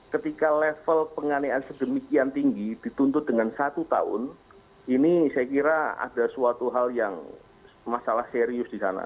ketika level penganiayaan sedemikian tinggi dituntut dengan satu tahun ini saya kira ada suatu hal yang masalah serius di sana